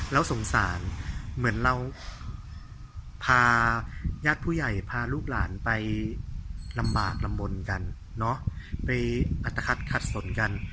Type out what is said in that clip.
แล้วสงสารเหมือนเราพาญาติผู้ใหญ่พาลูกหลานไปลำบากลำมนกันไปอัตภัทขัดสนกัน